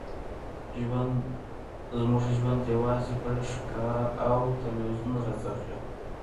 زموږ ژوند یوازې په ښکار او تلویزیون راڅرخیده